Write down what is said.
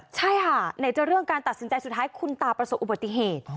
ใช่ค่ะไหนจะเรื่องการตัดสินใจสุดท้ายคุณตาประสบอุบัติเหตุ